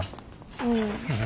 うん。